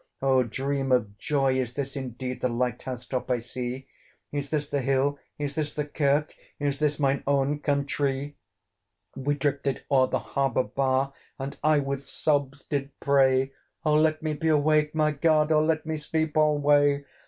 Oh! dream of joy! is this indeed The light house top I see? Is this the hill? is this the kirk? Is this mine own countree! We drifted o'er the harbour bar, And I with sobs did pray O let me be awake, my God! Or let me sleep alway.